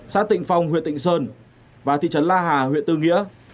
xã tịnh phong huyện tịnh sơn và thị trấn la hà huyện tư nghĩa